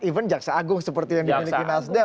even jaksa agung seperti yang diberikan asdem